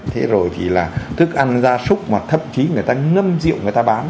thế rồi thì là thức ăn ra súc hoặc thậm chí người ta ngâm rượu người ta bán